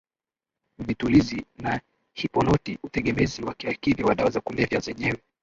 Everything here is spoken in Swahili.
Vitulizi na hiponoti utegemezi wa kiakili wa dawa za kulevya zenye